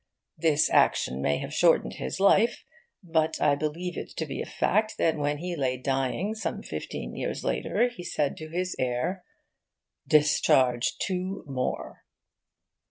This action may have shortened his life, but I believe it to be a fact that when he lay dying, some fifteen years later, he said to his heir, 'Discharge two more.